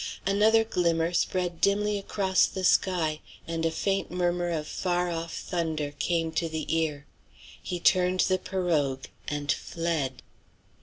Another glimmer spread dimly across the sky, and a faint murmur of far off thunder came to the ear. He turned the pirogue and fled.